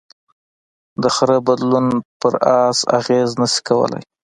د خره بدلون په آس اغېز نهشي کولی.